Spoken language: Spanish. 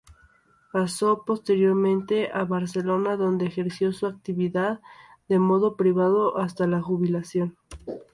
Pasó posteriormente a Barcelona donde ejerció su actividad de modo privado hasta la jubilación.